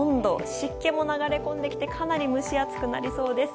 湿気も流れ込んできてかなり蒸し暑くなりそうです。